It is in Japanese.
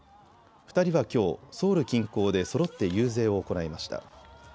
２人はきょうソウル近郊でそろって遊説を行いました。